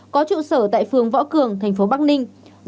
có trụ sở tại phường võ cường thành phố bắc ninh